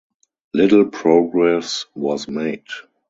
Little progress was made.